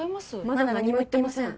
まだ何も言っていません